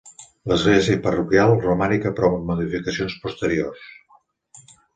L'església parroquial, romànica però amb modificacions posteriors.